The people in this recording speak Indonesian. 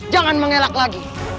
jangan mengelak lagi